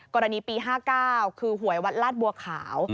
กรณีปี๕๙คือหวยวัดลาดบัวขาว